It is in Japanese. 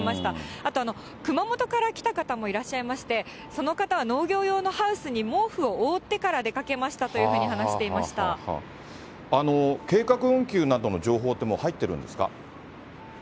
あと熊本から来た方もいらっしゃいまして、その方は農業用のハウスに毛布を覆ってから出かけましたというふ計画運休などの情報って、もう入ってるんですか？